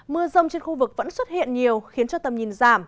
mưa rông trên khu vực vẫn xuất hiện nhiều khiến cho tầm nhìn giảm